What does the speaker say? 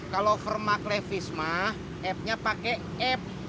kalau fermaklevis f nya pake f